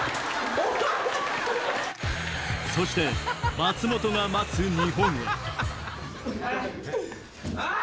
そして松本が待つ日本へあぁ‼